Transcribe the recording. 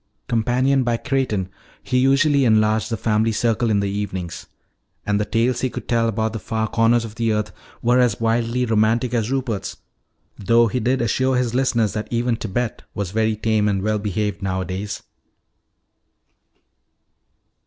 Companioned by Creighton, he usually enlarged the family circle in the evenings. And the tales he could tell about the far corners of the earth were as wildly romantic as Rupert's though he did assure his listeners that even Tibet was very tame and well behaved nowadays.